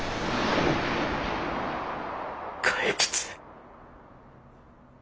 怪物。